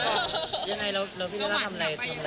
ยังไงแล้วพี่ว่ากอยากไปมั้ย